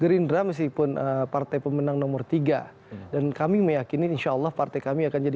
gerindra meskipun partai pemenang nomor tiga dan kami meyakini insya allah partai kami akan jadi